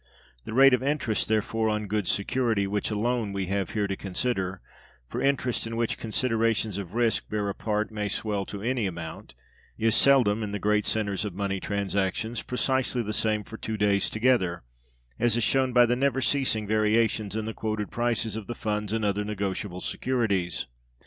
The rate of interest, therefore, on good security, which alone we have here to consider (for interest in which considerations of risk bear a part may swell to any amount), is seldom, in the great centers of money transactions, precisely the same for two days together; as is shown by the never ceasing variations in the quoted prices of the funds and other negotiable securities.